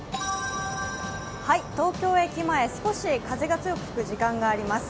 東京駅前、少し風が強く吹く時間があります。